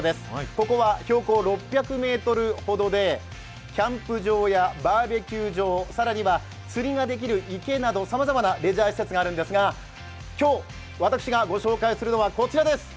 ここは標高６００ｍほどで、キャンプ場やバーベキュー場、更には釣りができる池などさまざまなレジャー施設があるのですが、今日私がご紹介するのはこちらです。